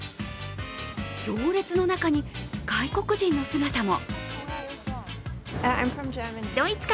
行列の中に外国人の姿も。